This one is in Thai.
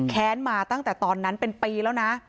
แค้นมาตั้งแต่ตอนนั้นเป็นปีแล้วนะ